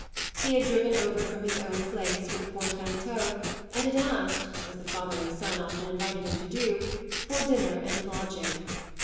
He had driven over from his own place with a portmanteau and had asked, as the father and son often invited him to do, for a dinner and a lodging.